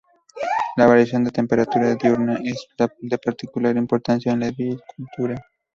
La variación de temperatura diurna es de particular importancia en la viticultura.